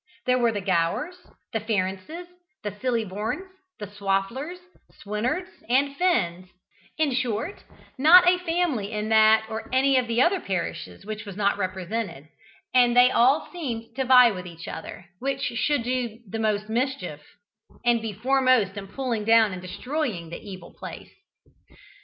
There were Gowers, and Farrances, Sillibournes and Swaflers, Swinerds and Finns in short, not a family in that or any of the other parishes which was not represented, and they all seemed to vie with each other, which should do the most mischief, and be foremost in pulling down and destroying that evil place.